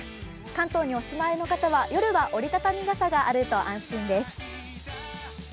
関東にお住まいの方は、夜は折り畳み傘があると安心です。